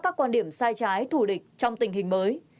các quan điểm sai trái thù địch trong tình hình mới